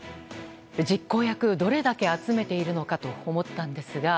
実行役、どれだけ集めているのかと思ったんですが。